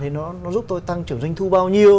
thì nó giúp tôi tăng trưởng doanh thu bao nhiêu